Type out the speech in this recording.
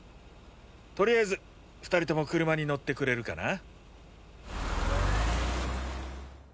とりあえず２人とも車に乗ってくれるかな？